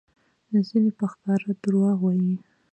ځینې په ښکاره دروغ وایي؛